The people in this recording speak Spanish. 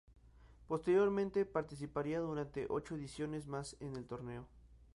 Posteriormente participaría durante ocho ediciones más en el torneo de copa.